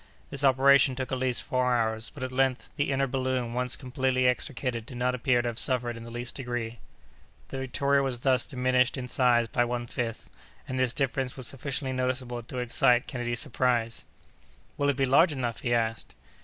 This operation took at least four hours, but at length the inner balloon once completely extricated did not appear to have suffered in the least degree. The Victoria was thus diminished in size by one fifth, and this difference was sufficiently noticeable to excite Kennedy's surprise. "Will it be large enough?" he asked.